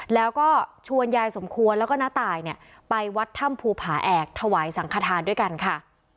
แล้วก็ชวนยายสมควรแล้วก็น้าตายเนี่ยไปวัดถ้ำภูผาแอกถวายสังขทานด้วยกันค่ะ